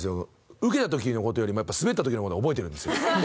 ウケた時の事よりもスベった時の事の方が覚えてるんですよ。